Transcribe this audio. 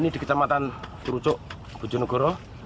di kecamatan terucuk bojonegoro